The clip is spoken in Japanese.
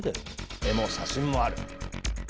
絵も写真もある。